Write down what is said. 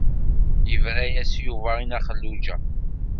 Yebra-yas Yuba i Nna Xelluǧa.